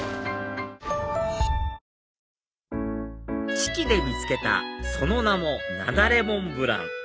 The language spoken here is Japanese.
志木で見つけたその名も雪崩モンブラン！